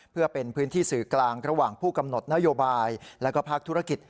เพื่อเป็นพื้นที่สื่อกลางระหว่างผู้กำหนดนโยบายและภาคธุรกิจ